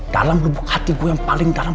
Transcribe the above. dalam lubuk hati gue yang paling dalam